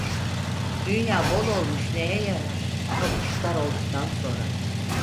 Dünya bol olmuş neye yarar, pabuç dar olduktan sonra.